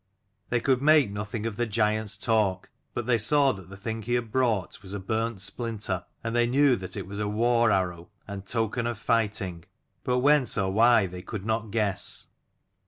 They could make nothing of the giant's talk, but they saw that the thing he had brought was a burnt splinter, and they knew that it was a war arrow and token of righting: but whence or why they could not guess.